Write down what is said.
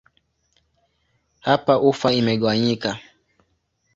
Hapa ufa imegawanyika.